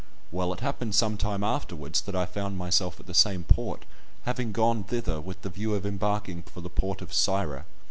Well, it happened some time afterwards that I found myself at the same port, having gone thither with the view of embarking for the port of Syra.